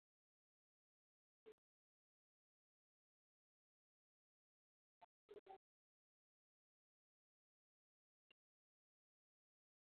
shanga ambazo wakati mwengine huvaliwa na mashujaa